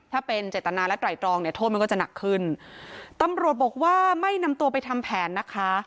ถ้าเป็นเจตนาและไตรตรองเนี่ยโทษมันก็จะหนักขึ้นตำรวจบอกว่าไม่นำตัวไปทำแผนนะคะ